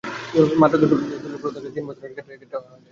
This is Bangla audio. মাত্র দুটো দুধেল গরু থাকলে তিন চারজনের একটি পরিবার বেঁচে যেতে পারে।